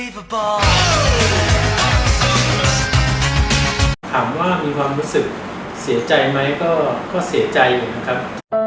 ถามว่ามีความรู้สึกเสียใจไหมก็เสียใจอยู่นะครับ